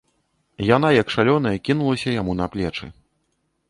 Яна, як шалёная, кінулася яму на плечы.